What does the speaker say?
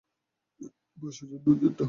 পার্শ্বচর দু-চারটা আহাম্মকও তাই ঠাওরায়।